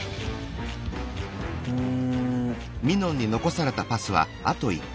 うん。